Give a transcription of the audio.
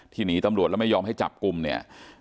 หนีตำรวจแล้วไม่ยอมให้จับกลุ่มเนี่ย